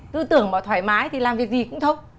tư tưởng mà thoải mái thì làm việc gì cũng thông